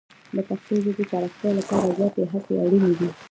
د پښتو ژبې پراختیا لپاره زیاتې هڅې اړینې دي.